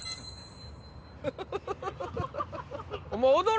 フフフフ！